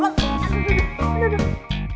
mas duduk duduk duduk